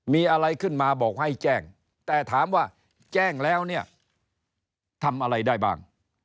มีอะไรขึ้นมาบอกให้แจ้งแต่ถามว่าแจ้งแล้วเนี่ยทำอะไรได้บ้าง